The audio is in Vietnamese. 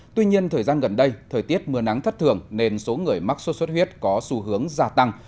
tuy nhiên thời gian gần đây thời tiết mưa nắng thất thường nên số người mắc sốt xuất huyết có xu hướng gia tăng